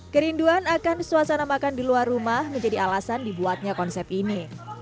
kerinduan akan suasana makan di luar rumah menjadi alasan dibuatnya konsep ini